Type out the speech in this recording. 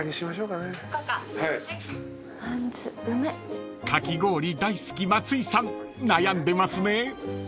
［かき氷大好き松井さん悩んでますね］